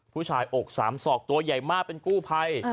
ผู้ชายอกสามสอกตัวใหญ่มากเป็นกู้ไพร